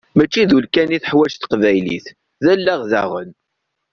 Mačči d ul kan i teḥwaǧ teqbaylit, d allaɣ daɣen!